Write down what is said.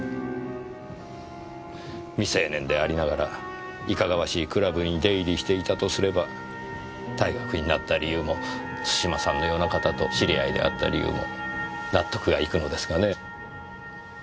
未成年でありながらいかがわしいクラブに出入りしていたとすれば退学になった理由も津島さんのような方と知り合いであった理由も納得がいくのですがね。